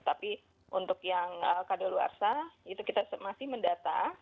tapi untuk yang kado luar sa itu kita masih mendata